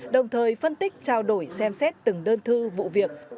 đồng thời phân tích trao đổi xem xét từng đơn thư vụ việc